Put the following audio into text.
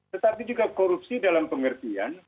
tetapi juga korupsi dalam pengertian